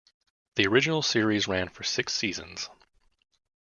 The original series ran for six seasons.